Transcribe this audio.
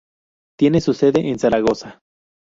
Tiene su sede en Zaragoza.